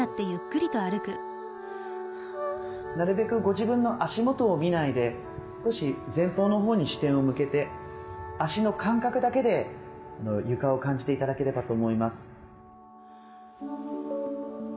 なるべくご自分の足元を見ないで少し前方のほうに視点を向けて足の感覚だけで床を感じて頂ければと思います。